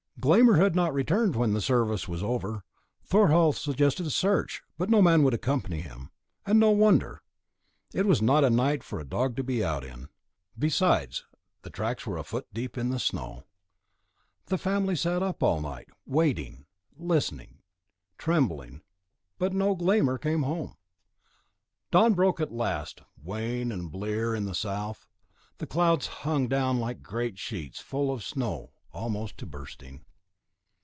Glámr had not returned when the service was over. Thorhall suggested a search, but no man would accompany him; and no wonder! it was not a night for a dog to be out in; besides, the tracks were a foot deep in snow. The family sat up all night, waiting, listening, trembling; but no Glámr came home. Dawn broke at last, wan and blear in the south. The clouds hung down like great sheets, full of snow, almost to bursting.